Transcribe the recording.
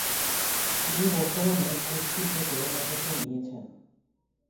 তিনি বর্তমানে কুস্তি থেকে অবসর নিয়েছেন।